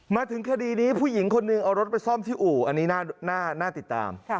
มาถึงคดีนี้ผู้หญิงคนหนึ่งเอารถไปซ่อมที่อู่อันนี้น่าติดตาม